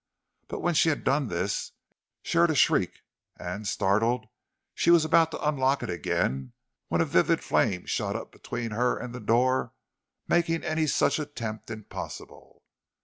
But when she had done this she heard a shriek, and, startled, she was about to unlock it again when a vivid flame shot up between her and the door making any such attempt impossible.